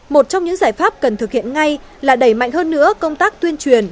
một trong những giải pháp cần thực hiện ngay là đẩy mạnh hơn nữa công tác tuyên truyền